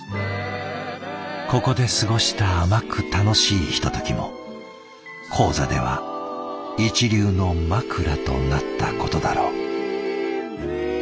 ここで過ごした甘く楽しいひとときも高座では一流のまくらとなったことだろう。